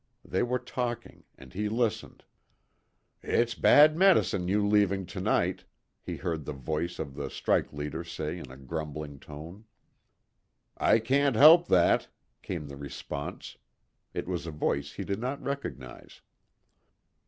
They were talking, and he listened. "It's bad med'cine you leaving to night," he heard the voice of the strike leader say in a grumbling tone. "I can't help that," came the response. It was a voice he did not recognize.